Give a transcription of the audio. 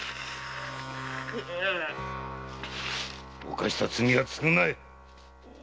犯した罪は償え！